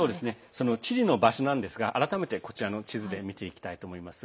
そのチリの場所なんですが改めてこちらの地図で見ていきたいと思います。